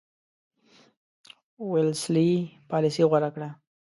ویلسلي پالیسي غوره کړه.